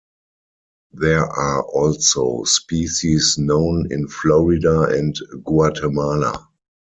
There are also species known in Florida and Guatemala.